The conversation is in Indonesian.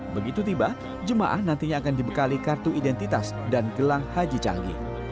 begitu tiba jemaah nantinya akan dibekali kartu identitas dan gelang haji canggih